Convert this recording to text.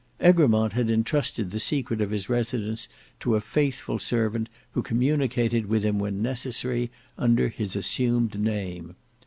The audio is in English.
Egremont had entrusted the secret of his residence to a faithful servant who communicated with him when necessary, under his assumed name.